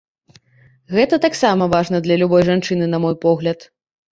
Гэта таксама важна для любой жанчыны, на мой погляд.